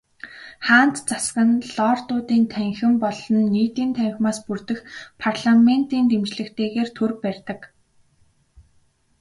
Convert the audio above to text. Хаант засаг нь Лордуудын танхим болон Нийтийн танхимаас бүрдэх парламентын дэмжлэгтэйгээр төр барьдаг.